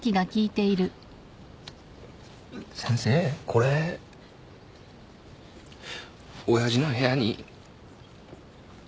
これ親父の部屋に。